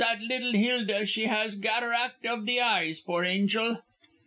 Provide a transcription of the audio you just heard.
Zat liddle Hilda She has gatterack of the eyes, poor anchel."